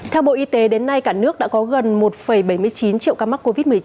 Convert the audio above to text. theo bộ y tế đến nay cả nước đã có gần một bảy mươi chín triệu ca mắc covid một mươi chín